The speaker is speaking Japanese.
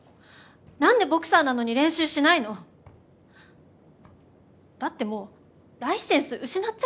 なんでボクサーなのに練習しないの⁉だってもうライセンス失っちゃうんでしょ⁉